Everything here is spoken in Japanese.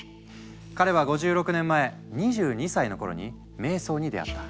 彼は５６年前２２歳の頃に瞑想に出会った。